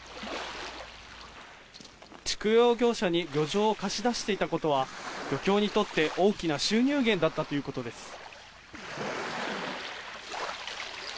畜養業者に漁場を貸し出していたことは漁協にとって大きな収入源だったということです。